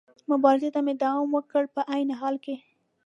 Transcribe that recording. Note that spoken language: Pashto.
مبارزې ته مې دوام ورکړ، په عین حال کې.